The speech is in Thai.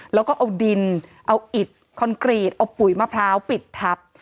แล้วก็เอาดินเอาอิดคอนกรีตเอาปุ๋ยมะพร้าวปิดทับ